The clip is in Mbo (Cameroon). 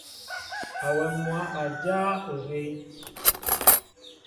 Awem mwă a jáa ohɛy.